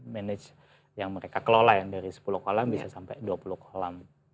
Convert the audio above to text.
manage yang mereka kelola yang dari sepuluh kolam bisa sampai dua puluh kolam